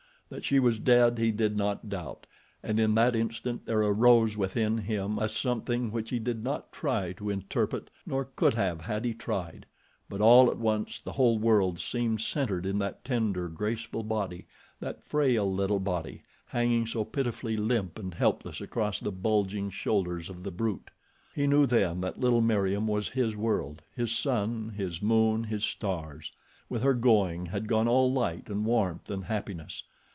That she was dead he did not doubt, and in that instant there arose within him a something which he did not try to interpret nor could have had he tried; but all at once the whole world seemed centered in that tender, graceful body, that frail little body, hanging so pitifully limp and helpless across the bulging shoulders of the brute. He knew then that little Meriem was his world—his sun, his moon, his stars—with her going had gone all light and warmth and happiness.